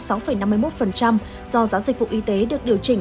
do giá dịch vụ y tế được điều chỉnh